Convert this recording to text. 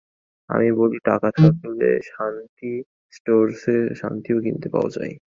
আমি বলি, টাকা থাকলে শান্তি স্টোরসে শান্তিও কিনতে পাওয়া যায়।